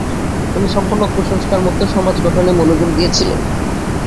তিনি সম্পূর্ণ কুসংস্কার মুক্ত সমাজ গঠনে মনোযোগ দিয়েছিলেন।